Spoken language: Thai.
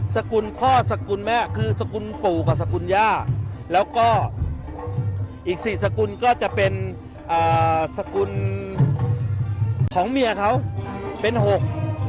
สกุลพ่อสกุลแม่คือสกุลปู่กับสกุลย่าแล้วก็อีกสี่สกุลก็จะเป็นอ่าสกุลของเมียเขาเป็นหก